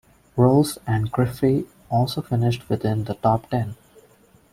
Rose and Griffey also finished within the top ten.